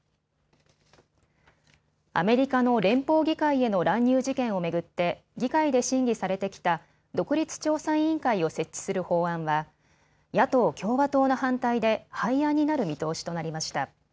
アメリカの連邦議会への乱入事件を巡って議会で審議されてきた独立調査委員会を設置する法案は野党共和党の反対で廃案になる見通しとなりました。